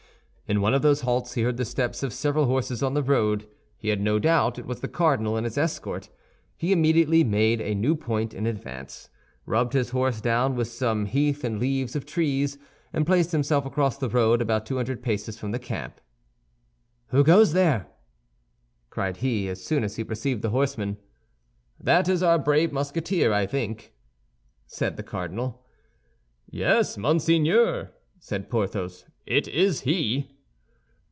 In one of those halts he heard the steps of several horses on the road. He had no doubt it was the cardinal and his escort. He immediately made a new point in advance, rubbed his horse down with some heath and leaves of trees, and placed himself across the road, about two hundred paces from the camp. "Who goes there?" cried he, as soon as he perceived the horsemen. "That is our brave Musketeer, I think," said the cardinal. "Yes, monseigneur," said Porthos, "it is he."